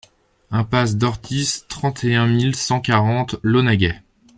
IMPASSE DORTIS, trente et un mille cent quarante Launaguet